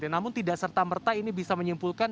namun tidak serta merta ini bisa menyimpulkan